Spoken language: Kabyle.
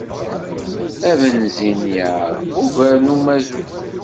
Abenzin yereqq ugar n umazut.